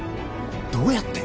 どうやって？